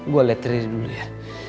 gue liat riri dulu ya